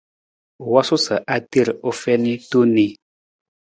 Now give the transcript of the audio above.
U wosuu sa a ter u fiin tong ni.